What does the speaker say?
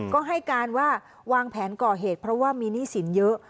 ก็ให้การว่าวางแผนก่อเหตุเพราะว่ามีหนี้สินเยอะ